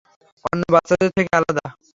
অন্য বাচ্চাদের থেকে আলাদা।